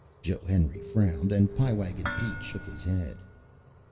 Joe Henry frowned, and Pie Wagon Pete shook his head.